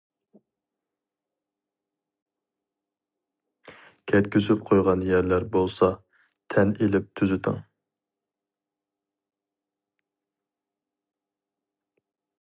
كەتكۈزۈپ قويغان يەرلەر بولسا تەن ئېلىپ تۈزىتىڭ!